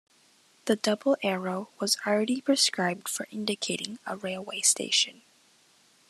The double arrow was already prescribed for indicating a "railway station".